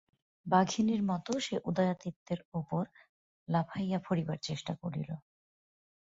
বাঘিনীর মতো সে উদয়াদিত্যের উপর লাফাইয়া পড়িবার চেষ্টা করিল।